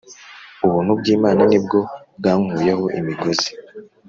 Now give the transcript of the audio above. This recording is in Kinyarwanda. Ubuntu bw’Imana nibwo bwankuyeho imigozi